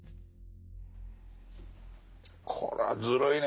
これはずるいね。